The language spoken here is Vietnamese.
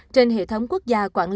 trên hệ thống quốc gia quảng nam